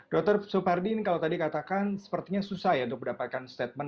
dr supardin kalau tadi katakan sepertinya susah ya untuk mendapatkan statement